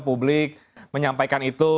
publik menyampaikan itu